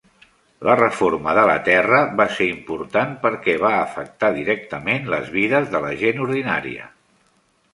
La reforma de la terra va ser important perquè va afectar directament les vides de la gent ordinària.